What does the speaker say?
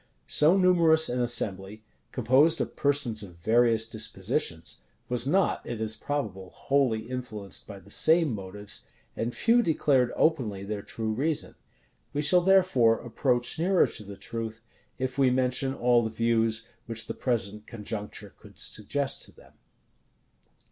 So numerous an assembly, composed of persons of various dispositions, was not, it is probable, wholly influenced by the same motives; and few declared openly their true reason. We shall, therefore, approach nearer to the truth, if we mention all the views which the present conjuncture could suggest to them.